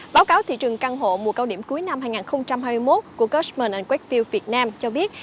báo cáo thị trường căn hộ mùa cao điểm cuối năm hai nghìn hai mươi một của custmand weffield việt nam cho biết